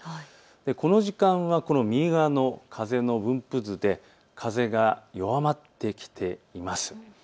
この時間は風の分布図で風が弱まってきています。